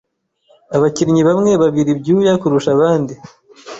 Abakinnyi bamwe babira ibyuya kurusha abandi.